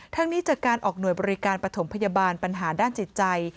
นี้จากการออกหน่วยบริการปฐมพยาบาลปัญหาด้านจิตใจ